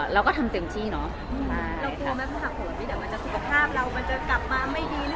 เราก็ทำเต็มที่เนาะ